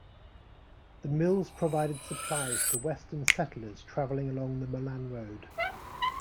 The mills provided supplies to western settlers traveling along the Mullan Road.